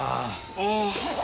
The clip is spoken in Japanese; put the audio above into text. ええ。